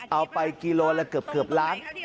เอาไปกิโลละเกือบล้าน